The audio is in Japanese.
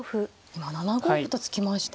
今７五歩と突きました。